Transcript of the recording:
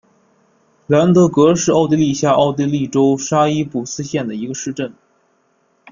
兰德格是奥地利下奥地利州沙伊布斯县的一个市镇。